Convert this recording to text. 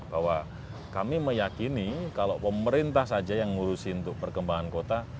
bahwa kami meyakini kalau pemerintah saja yang ngurusin untuk perkembangan kota